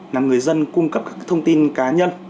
là người dân cung cấp các thông tin cá nhân